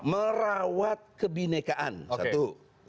merawat kebinekaan satu